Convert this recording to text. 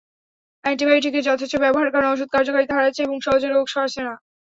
অ্যান্টিবায়োটিকের যথেচ্ছ ব্যবহারের কারণে ওষুধ কার্যকারিতা হারাচ্ছে এবং সহজে রোগ সারছে না।